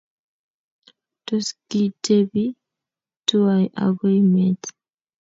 Tos kitebii tuwai agoi meet?